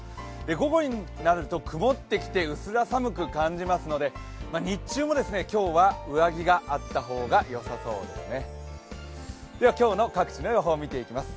午後になると曇ってきてうすら寒く感じますので日中も今日は上着があった方がよさそうですね。